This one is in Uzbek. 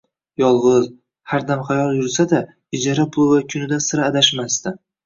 Yolg’iz, hardamxayol yursa-da, ijara puli va kunidan sira adashmasdi